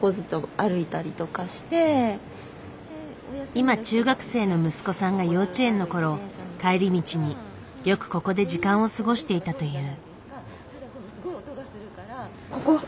今中学生の息子さんが幼稚園のころ帰り道によくここで時間を過ごしていたという。